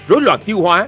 rối loạn thiêu hóa